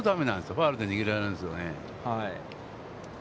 ファウルで逃げられるんですね。